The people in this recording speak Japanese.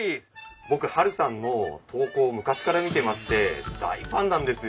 僕ハルさんの投稿を昔から見てまして大ファンなんですよ。